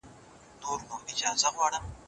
که مطالعه نه وي، شعور نه پيدا کېږي.